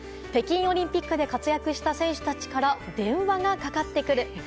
北京オリンピックで活躍した選手たちから電話がかかってくる。